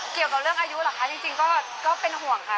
เกี่ยวกับเรื่องอายุหรอคะจริงก็เป็นห่วงค่ะ